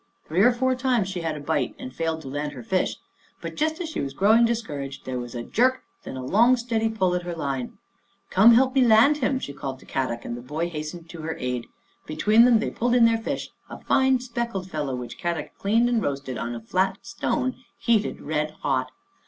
Three or four times she had a bite and failed to land her fish, but just as she was growing discouraged there was a jerk, then a long, steady pull at her line. " Come help me land him," she called to Kadok, and the boy hastened to her aid. Be tween them they pulled in their fish, a fine, speck led fellow which Kadok cleaned and roasted on a flat stone heated red hot.